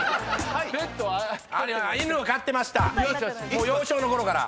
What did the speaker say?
もう幼少のころから。